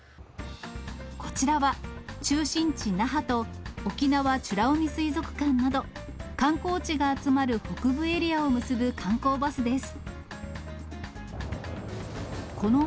こちらは、中心地、那覇と沖縄美ら海水族館など、観光地が集まる北部エリアを結ぶ観光バスです。